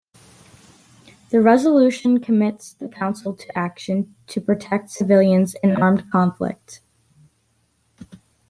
The resolution commits the Council to action to protect civilians in armed conflict.